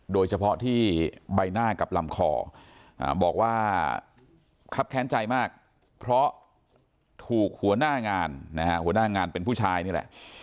โดยเฉพาะที่ใบหน้ากับลำคอบอกว่าครับแค้นใจมากเพราะถูกหัวหน้างานนะฮะหัวหน้างานเป็นผู้ชายนี่แหละ